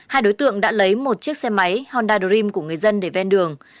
hai đối tượng đã lấy một chiếc xe máy honda dream của người dân để ven đường